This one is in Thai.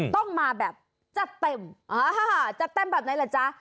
ต้องมาแบบจัดเต็มอะฮะฮะจัดเต้นแบบไหนล่ะจ้า